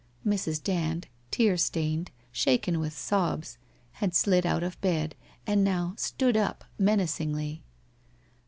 Mrs. Dand, tear stained, shaken with sobs, had slid out of bed, and now stood up menacingly.